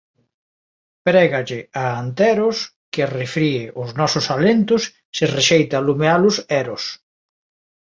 Prégalle a Anteros que arrefríe os nosos alentos se rexeita alumealos Eros.